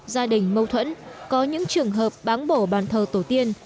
gia đình mâu thuẫn có những trường hợp bán bổ bàn thờ tổ tiên